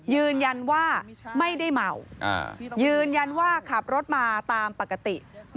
ยืนยันว่าไม่ได้เมายืนยันว่าขับรถมาตามปกติ